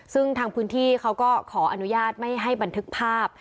ซึ่งทางพื้นที่เขาก็ขออนุญาตไม่ให้บันทึกภาพ